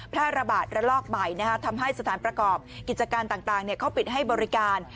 แพร่ระบาดระลอกใหม่ทำให้สถานประกอบกิจการต่างเขาปิดให้บริการ